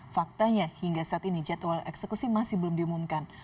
faktanya hingga saat ini jadwal eksekusi masih belum diumumkan